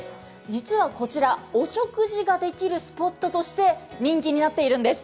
実はこちら、お食事ができるスポットとして人気になっているんです。